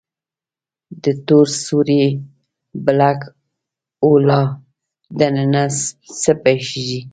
د تور سوری Black Hole دننه څه پېښېږي؟